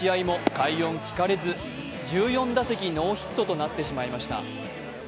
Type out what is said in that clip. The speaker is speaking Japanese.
昨日の試合も快音聞かれず１４打席ノーヒットとなってしまいました。